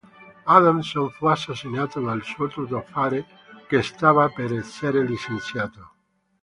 Adamson fu assassinato dal suo tuttofare Che stava per essere licenziato.